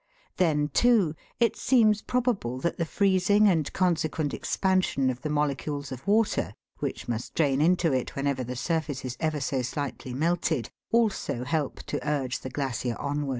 Then, too, it seems probable that the freezing and con sequent expansion of the molecules of water, which must drain into it whenever the surface is ever so slightly melted, also help to urge the glacier onward.